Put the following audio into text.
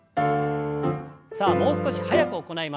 さあもう少し早く行います。